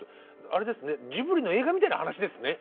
ジブリの映画みたいな話ですね。